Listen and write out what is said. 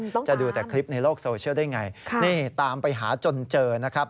ต้องการจะดูแต่คลิปในโลกโซเชียลได้อย่างไรนี่ตามไปหาจนเจอนะครับ